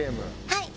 はい。